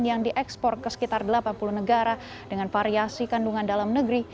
yang diekspor ke sekitar delapan puluh negara dengan variasi kandungan dalam negeri